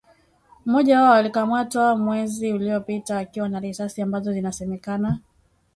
mmoja wao alikamatwa mwezi uliopita akiwa na risasi ambazo inasemekana